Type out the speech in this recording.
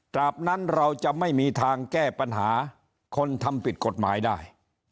นั้นเราจะไม่มีทางแก้ปัญหาคนทำผิดกฎหมายได้